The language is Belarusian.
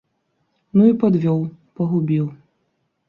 Ну і падвёў, пагубіў.